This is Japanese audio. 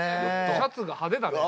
シャツが派手だから！